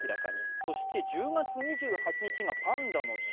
そして１０月２８日がパンダの日。